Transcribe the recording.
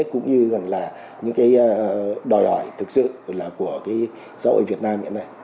cũng như đòi hỏi thực sự của xã hội việt nam